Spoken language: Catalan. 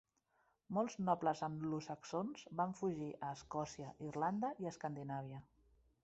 Molts nobles anglosaxons van fugir a Escòcia, Irlanda i Escandinàvia.